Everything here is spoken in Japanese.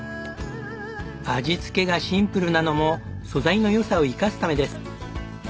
味付けがシンプルなのも素材の良さを生かすためです。